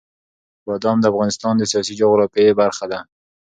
بادام د افغانستان د سیاسي جغرافیه برخه ده.